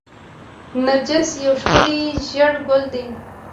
نرجس یو ښکلی ژیړ ګل دی